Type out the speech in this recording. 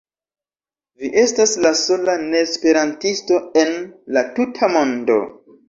Vi estas la sola neesperantisto en la tuta mondo.